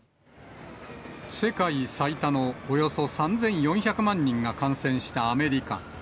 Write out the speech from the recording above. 世界最多のおよそ３４００万人が感染したアメリカ。